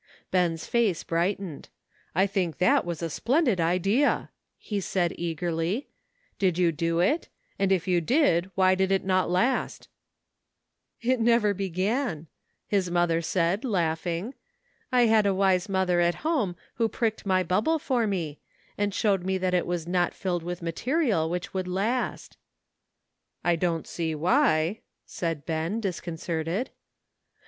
Ben's face brightened. "I think that was a splendid idea," ho said eagerly. "Did you do it — and if you did, why did not it last ?"" It never began," his mother said, laughing ;" I had a wise mother at home who jiricked my bubble for me, and showed me that it was not filled with material which would last." " I don't see why," said Ben, disconcerted.